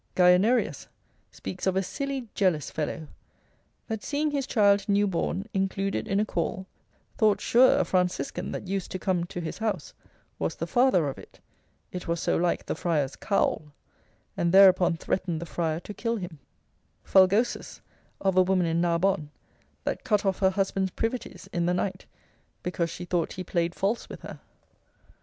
Guianerius cap. 36. de aegritud. matr. speaks of a silly jealous fellow, that seeing his child new born included in a caul, thought sure a Franciscan that used to come to his house, was the father of it, it was so like the friar's cowl, and thereupon threatened the friar to kill him: Fulgosus of a woman in Narbonne, that cut off her husband's privities in the night, because she thought he played false with her.